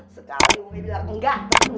sekali ummi bilang engga